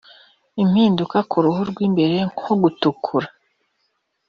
impinduka ku ruhu rw’ibere nko gutukura